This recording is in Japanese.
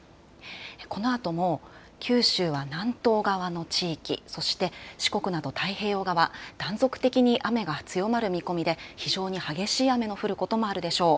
このあとも九州は南東側の地域そして四国など太平洋側、断続的に雨が強まる見込みで激しい雨が降ることもあるでしょう。